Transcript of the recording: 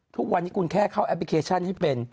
ทุกวันนี้คุณแค่เข้าแอปพลิเคชันให้เป็น